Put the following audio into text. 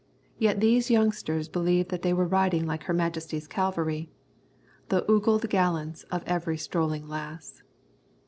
Yet these youngsters believed that they were riding like her Majesty's cavalry, the ogled gallants of every strolling lass.